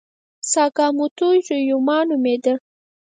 ساکاموتو ریوما نومېده.